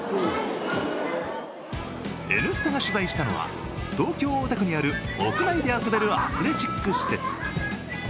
「Ｎスタ」が取材したのは東京・大田区にある屋内で遊べるアスレチック施設。